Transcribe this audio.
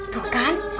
mams udah ngasih tau